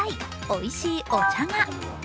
おいしいお茶が。